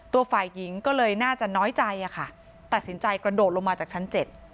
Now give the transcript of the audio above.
ตัวฝ่ายหญิงก็เลยน่าจะน้อยใจอะค่ะตัดสินใจกระโดดลงมาจากชั้น๗